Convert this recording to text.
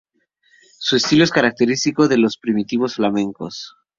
Su estilo es característico de los primitivos flamencos.